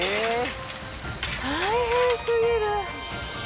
大変すぎる！